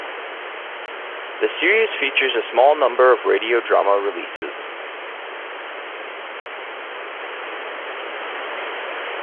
The series features a small number of radio drama releases.